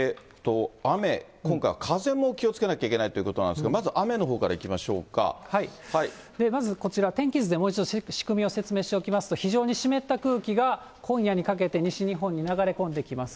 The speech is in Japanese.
雨、今回は風も気をつけなきゃいけないということなんですけど、まずまずこちら、天気図でもう一度仕組みを説明しておきますと、非常に湿った空気が、今夜にかけて西日本に流れ込んできます。